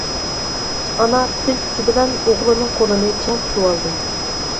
ئانا پۈتۈن كۈچى بىلەن ئوغلىنىڭ قولىنى چىڭ تۇتۇۋالدى.